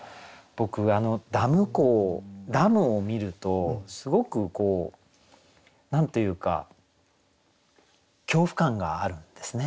僕ダム湖をダムを見るとすごくこう何て言うか恐怖感があるんですね。